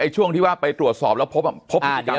โชว์ที่ว่าไปตรวจสอบแล้วพบกัน